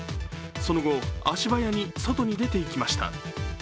その後、足早に外に出ていきました。